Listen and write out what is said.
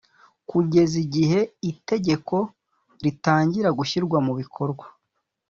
kugeza Igihe itegeko ritangira gushyirirwa mubikorwa